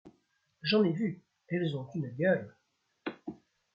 J’en ai vu, elles ont une gueule !